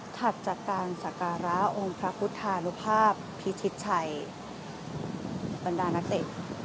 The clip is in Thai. ถัดจากการสการะองค์พระพุทธานุภาพพิชิตชัยบรรดานักเตะ